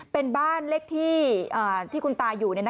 เป็นบ้านเลขที่คุณตาอยู่